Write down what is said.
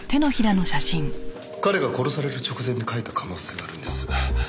彼が殺される直前に書いた可能性があるんです。